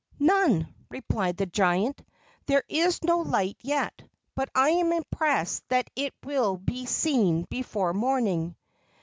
"None," replied the giant. "There is no light yet, but I am impressed that it will be seen before morning."